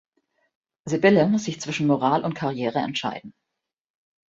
Sybille muss sich zwischen Moral und Karriere entscheiden.